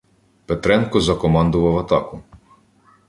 Петренко закомандував атаку.